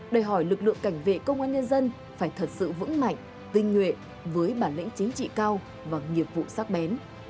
đòi hỏi lực lượng cảnh vệ công an nhân dân phải thật sự vững mạnh tinh nguyện với bản lĩnh chính trị cao và nghiệp vụ sắc bén